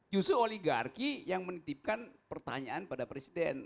justru oligarki yang menitipkan pertanyaan pada presiden